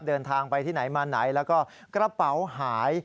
เดินทางไปที่ไหนมาไหนแล้วก็กระเป๋าหาย